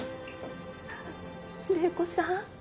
玲子さん